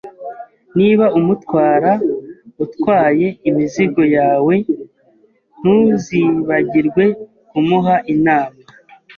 Niba umutwara utwaye imizigo yawe, ntuzibagirwe kumuha inama.